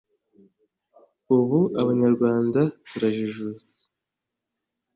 ubu abanyarwanda turajijutse,